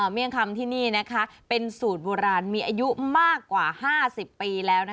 เลี่ยงคำที่นี่เป็นสูตรโบราณมีอายุมากกว่า๕๐ปีแล้ว